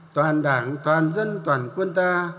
toàn đảng toàn dân toàn quân ta